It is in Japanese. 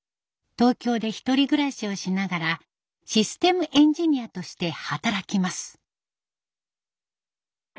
東京で一人暮らしをしながらシステムエンジニアとして働きます。